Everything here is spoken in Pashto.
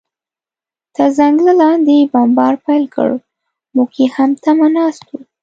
تر ځنګله لاندې بمبار پیل کړ، موږ یې هم تمه ناست و.